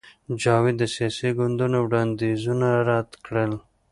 جاوید د سیاسي ګوندونو وړاندیزونه رد کړل